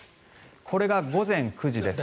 これが午前９時です。